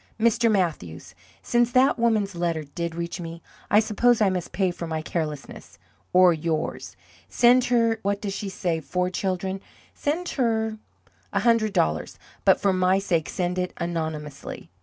"Mr. Mathews, since that woman's letter did reach me, I suppose I must pay for my carelessness or yours. Send her what does she say four children? send her a hundred dollars. But, for my sake, send it anonymously.